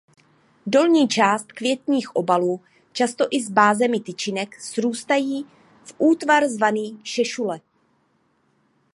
Dolní část květních obalů často i s bázemi tyčinek srůstají v útvar zvaný šešule.